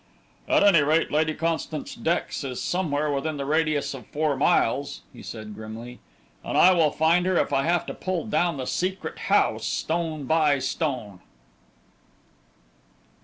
"At any rate Lady Constance Dex is somewhere within the radius of four miles," he said, grimly, "and I will find her if I have to pull down the Secret House stone by stone."